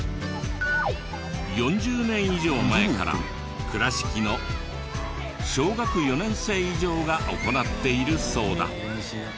４０年以上前から倉敷の小学４年生以上が行っているそうだ。